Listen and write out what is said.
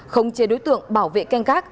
không chê đối tượng bảo vệ canh gác